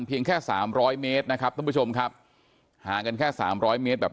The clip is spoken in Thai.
เพียงแค่๓๐๐เมตรนะครับท่านผู้ชมครับห่างกันแค่๓๐๐เมตรแบบ